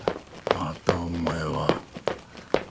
またお前は。